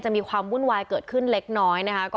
มีความวุ่นวายเกิดขึ้นเล็กน้อยนะคะ